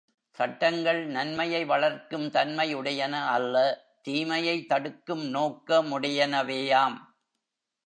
சட்டங்கன் நன்மையை வளர்க்கும் தன்மை உடையன அல்ல தீமையை தடுக்கும் நோக்க முடையனவேயாம்.